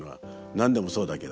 何でもそうだけど。